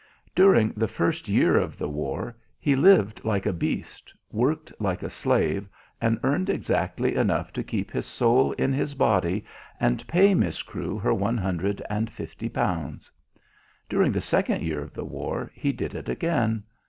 During the first year of the war he lived like a beast, worked like a slave, and earned exactly enough to keep his soul in his body and pay Miss Crewe her one hundred and fifty pounds. During the second year of the war he did it again.